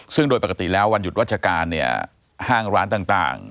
ซึ่งโดยปกติแล้ววันหยุดวัชการเนี่ยห้างร้านต่าง